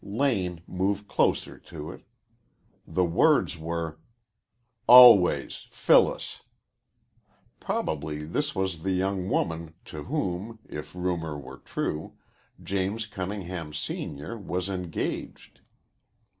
Lane moved closer to read it. The words were, "Always, Phyllis." Probably this was the young woman to whom, if rumor were true, James Cunningham, Senior, was engaged.